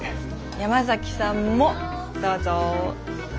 山崎さんもどうぞ。